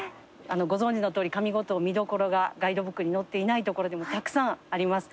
ご存じのとおり上五島見どころがガイドブックに載っていない所でもたくさんあります。